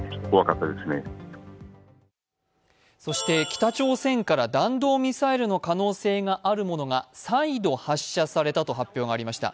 北朝鮮から弾道ミサイルの可能性があるものが再度発射されたと発表がありました。